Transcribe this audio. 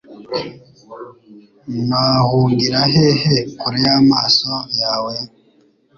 Nahungira hehe kure y’amaso yawe?